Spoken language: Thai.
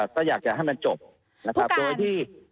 ก็อยากจะให้มันจบนะครับโดยที่